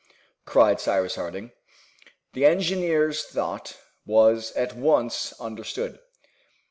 cried Cyrus Harding. The engineer's thought was at once understood.